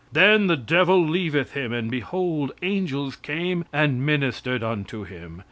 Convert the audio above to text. "Then the devil leaveth him; and, behold, angels came and ministered unto him."